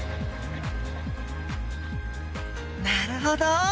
なるほど！